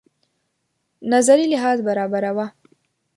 نظري لحاظ برابره وه.